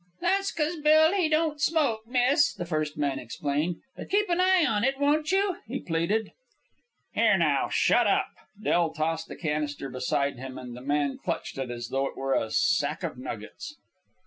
"That's 'cause Bill he don't smoke, miss," the first man explained. "But keep an eye on it, won't you?" he pleaded. "Here. Now shut up." Del tossed the canister beside him, and the man clutched it as though it were a sack of nuggets.